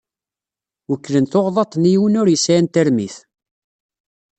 Wekklen tuɣdaḍt-nni i win ur yesɛin tarmit.